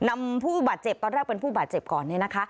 ผู้บาดเจ็บตอนแรกเป็นผู้บาดเจ็บก่อนเนี่ยนะคะ